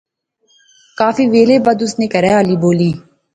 کافی ویلے بعد اس نے کہھرے آلی بولی